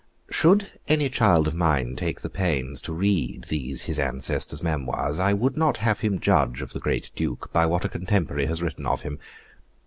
Should any child of mine take the pains to read these his ancestor's memoirs, I would not have him judge of the great Duke* by what a contemporary has written of him.